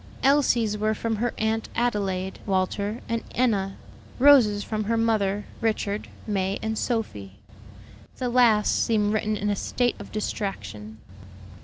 Elsie's were from her Aunt Adelaide, Walter, and Enna. Rose's from her mother, Richard, May, and Sophie. The last seemed written in a state of distraction.